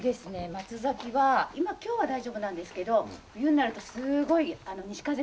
松崎は今今日は大丈夫なんですけど冬になるとすごい西風が吹いて。